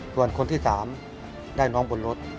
ส่วนคนที่๓ได้น้องบนรถ